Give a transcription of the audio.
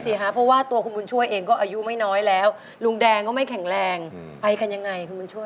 เพราะว่าตัวคุณบุญช่วยเองก็อายุไม่น้อยแล้วลุงแดงก็ไม่แข็งแรงไปกันยังไงคุณบุญช่วย